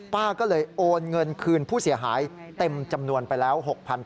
ป้าก็เลยโอนเงินคืนผู้เสียหายเต็มจำนวนไปแล้ว